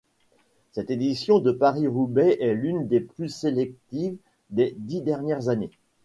Cette édition de Paris-Roubaix est l'une des plus sélectives des dix dernières années.